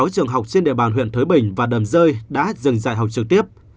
sáu trường học trên địa bàn huyện thới bình và đầm rơi đã dừng dạy học trực tiếp